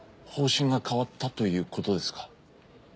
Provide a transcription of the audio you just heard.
方針が変わったということですか。